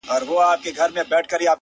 د يوسفي حُسن شروع ته سرگردانه وو!